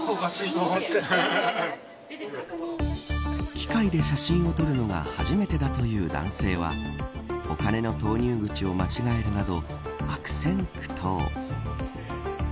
機械で写真を撮るのが初めてだという男性はお金の投入口を間違えるなど悪戦苦闘。